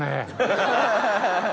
ハハハハ。